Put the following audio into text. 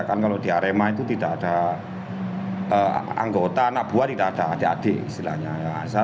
kan kalau di arema itu tidak ada anggota anak buah tidak ada adik adik istilahnya